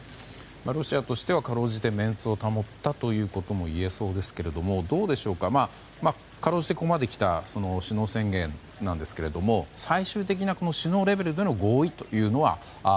ロシアとしてはかろうじてメンツを保ったといえそうですがかろうじて、ここまできた首脳宣言なんですけれども最終的な首脳レベルでの合意というのは。